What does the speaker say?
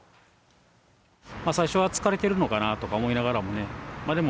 最初は疲れてるのかなとか思いながらもね、でも、